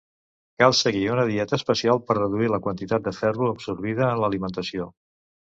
Cal seguir una dieta especial per reduir la quantitat de ferro absorbida en l'alimentació.